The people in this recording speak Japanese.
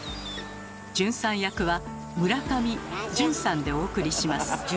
「順」さん役は村上「淳」さんでお送りします。